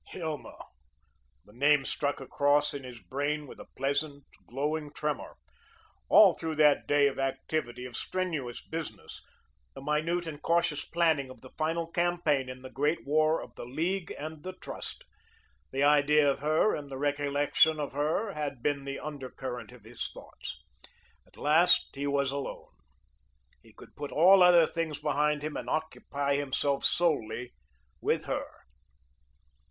Hilma! The name struck across in his brain with a pleasant, glowing tremour. All through that day of activity, of strenuous business, the minute and cautious planning of the final campaign in the great war of the League and the Trust, the idea of her and the recollection of her had been the undercurrent of his thoughts. At last he was alone. He could put all other things behind him and occupy himself solely with her.